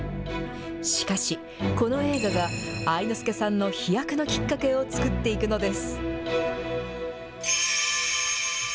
しかし、この映画が愛之助さんの飛躍のきっかけを作っていくのです。